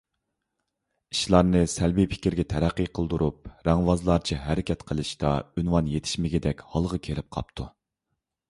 ئىشلارنى سەلبىي پىكىرگە تەرەققى قىلدۇرۇپ رەڭۋازلارچە ھەرىكەت قىلىشتا ئۇنۋان يېتىشمىگىدەك ھالغا كېلىپ قاپتۇ.